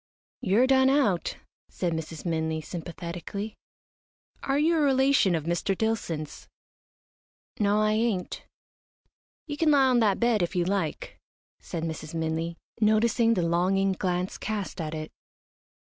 "You're done out," said Mrs. Minley, sympathetically. "Are you a relation of Mr. Dillson's?" "No, I ain't." "You can lie on that bed if you like," said Mrs. Minley, noticing the longing glance cast at it.